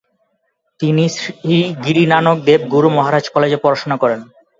তিনি শ্রী গিরি নানক দেব গুরু মহারাজ কলেজে পড়াশোনা করেন।